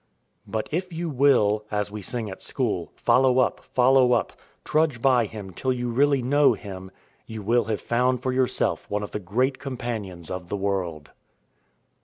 " But, if you will (as we sing at school) " Follow up, follow up," trudge by him till you really know him, you will have found for yourself one of the great companions of the world.